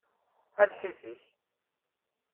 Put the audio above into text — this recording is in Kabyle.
A lḥif-ik!